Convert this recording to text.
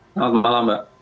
selamat malam mbak